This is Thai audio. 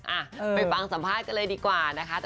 อ่ะไปฟังสัมภาษณ์กันเลยดีกว่านะคะ